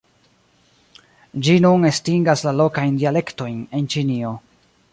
Ĝi nun estingas la lokajn dialektojn en Ĉinio.